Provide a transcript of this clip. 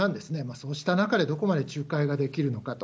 そうした中で、どこまで仲介ができるのかと。